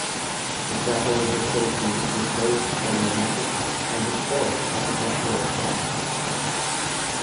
The chapel is associated with both the Romantic and Historic architectural styles.